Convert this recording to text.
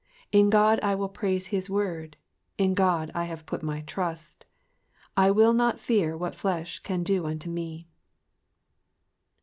4 In God I will praise his word, in God I have put my trust ; I will not fear what flesh can do unto me.